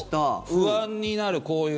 不安になる、こういう。